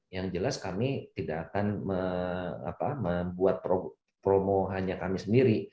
yang jelas kami tidak akan membuat promo hanya kami sendiri